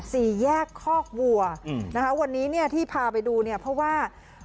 สี่แยกคอกวัวอืมนะคะวันนี้เนี่ยที่พาไปดูเนี่ยเพราะว่า